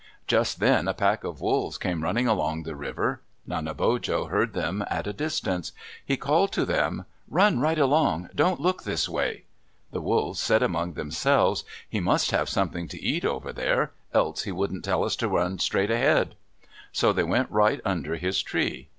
Just then a pack of wolves came running along the river. Nanebojo heard them at a distance. He called to them, "Run right along. Don't look this way." The wolves said among themselves, "He must have something to eat over there, else he wouldn't tell us to run straight ahead." So they went right under his tree.